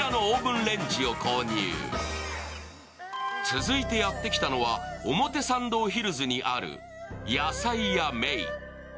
続いてやってきたのは表参道ヒルズにある、やさい家めい。